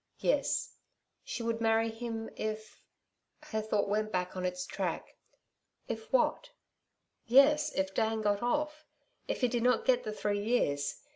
Yes. She would marry him, if Her thought went back on its track. If what? Yes, if Dan got off if he did not get the three years.